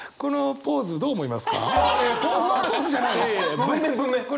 ポーズじゃないの？